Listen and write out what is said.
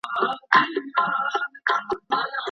د انسان د لاس حرکت د ماشین د تڼیو تر فشارولو غوره دی.